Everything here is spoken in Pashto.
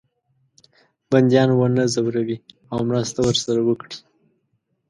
بندیان ونه زوروي او مرسته ورسره وکړي.